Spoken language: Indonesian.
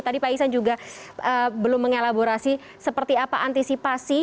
tadi pak isan juga belum mengelaborasi seperti apa antisipasi